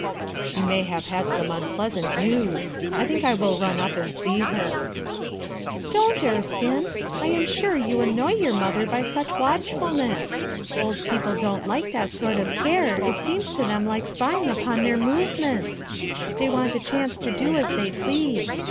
"She may have had some unpleasant news; I think I will run up and sec her," "Don't, Erskinel I am sure you annoy your mother by such watchfulness. Old jH^opIc don't like that sort of care, it seems to them like spying upon their movements; they want a chance to do as they please.